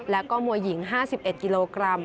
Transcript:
แล้วก็มวยหญิง๕๑กิโลกรัม